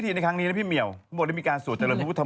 ยันไงเฮ้ยไม่ใช่นะ